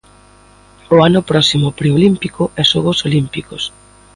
O ano próximo preolímpico e xogos olímpicos.